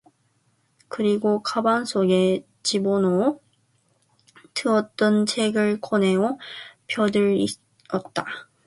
그리고 가방 속에 집어넣어 두었던 책을 꺼내어 펴들었다.